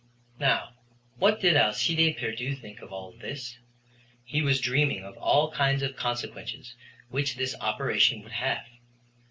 Now, what did Alcide Pierdeux think of all this? He was dreaming of all kinds of consequences which this operation would have.